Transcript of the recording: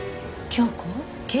京子？